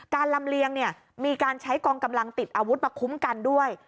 ลำเลียงเนี่ยมีการใช้กองกำลังติดอาวุธมาคุ้มกันด้วย